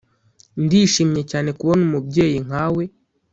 ndishimye cyane kubona umubyeyi nkawe,